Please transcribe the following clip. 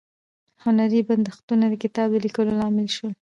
هنري بندښتونه د کتاب د لیکلو لامل شول.